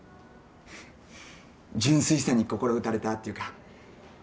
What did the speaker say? ふっ純粋さに心打たれたっていうか